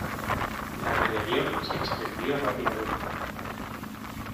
La rebelión se extendió rápidamente.